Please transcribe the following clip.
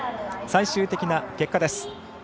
最終的な結果です。